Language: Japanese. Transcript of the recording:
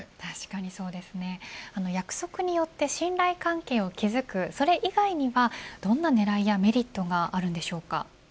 約束によって信頼関係を築くそれ以外には、どんな狙いやメリットがあるんでしょうか。